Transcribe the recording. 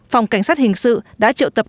phòng cảnh sát hình sự đã trợ tập